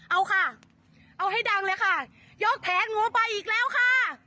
เอาค่ะเอาให้ดังเลยค่ะยกแผงหนูไปอีกแล้วค่ะ